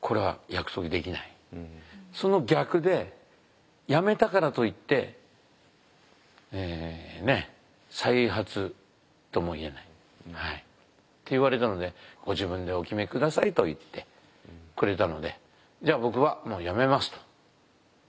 その逆でやめたからといって再発とも言えないって言われたのでご自分でお決め下さいと言ってくれたのでじゃあ僕はもうやめますと。